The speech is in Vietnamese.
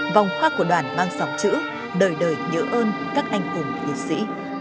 vòng hoa của đoàn mang dòng chữ đời đời nhớ ơn các anh hùng liệt sĩ